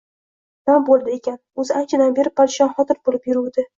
Nima bo‘ldi ekan? O‘zi anchadan beri parishonxotir bo‘lib yuruvdi